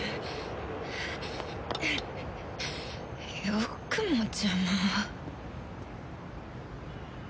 よくも邪魔を。